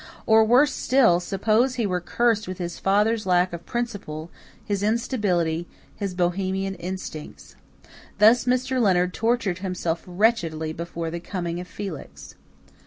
Or, worse still, suppose he were cursed with his father's lack of principle, his instability, his Bohemian instincts. Thus Mr. Leonard tortured himself wretchedly before the coming of Felix.